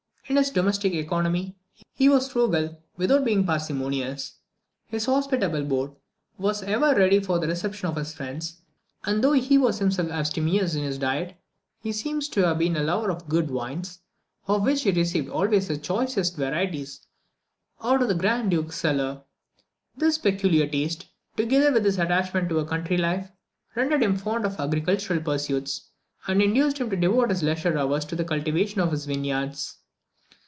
In his domestic economy he was frugal without being parsimonious. His hospitable board was ever ready for the reception of his friends; and, though he was himself abstemious in his diet, he seems to have been a lover of good wines, of which he received always the choicest varieties out of the Grand Duke's cellar. This peculiar taste, together with his attachment to a country life, rendered him fond of agricultural pursuits, and induced him to devote his leisure hours to the cultivation of his vineyards.